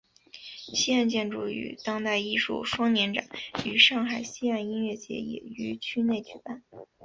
西岸建筑与当代艺术双年展与上海西岸音乐节也于区内举办。